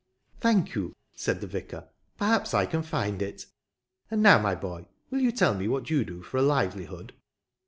" Thank you," said the vicar ;" perhaps I can find it. And now, my boy, will you tell me what you do for a livelihood